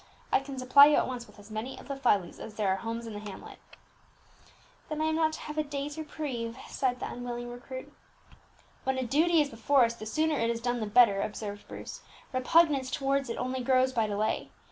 I can supply you at once with as many of the fly leaves as there are homes in the hamlet." "Then I am not to have a day's reprieve," sighed the unwilling recruit. "When a duty is before us, the sooner it is done the better," observed Bruce; "repugnance towards it only grows by delay.